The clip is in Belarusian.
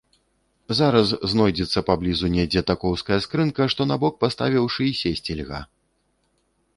Зараз знойдзецца паблізу недзе такоўская скрынка, што, на бок паставіўшы, і сесці льга.